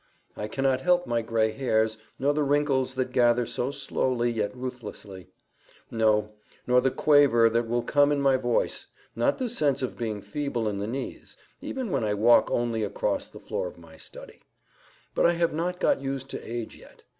I cannot help my gray hairs, nor the wrinkles that gather so slowly yet ruthlessly; no, nor the quaver that will come in my voice, not the sense of being feeble in the knees, even when I walk only across the floor of my study. But I have not got used to age yet.